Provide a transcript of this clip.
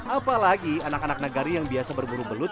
apalagi anak anak negari yang biasa berburu belut